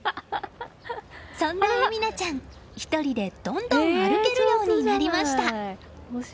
そんな咲愛ちゃん、１人でどんどん歩けるようになりました。